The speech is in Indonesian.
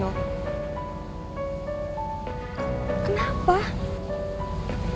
gue gak ada perasaan apapun lagi sama farel